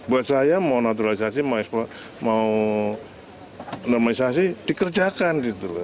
buat saya mau naturalisasi mau normalisasi dikerjakan gitu loh